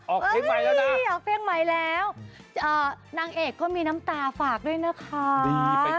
เพลงใหม่แล้วนะไม่อยากเฟี่ยงใหม่แล้วนางเอกก็มีน้ำตาฝากด้วยนะคะ